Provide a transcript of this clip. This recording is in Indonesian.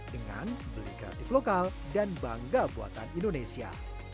dengan berikratif lokal dan bangga buatan indonesia